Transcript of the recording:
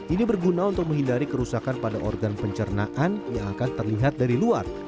ini berguna untuk menghindari kerusakan pada organ pencernaan yang akan terlihat dari luar